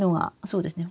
そうですね。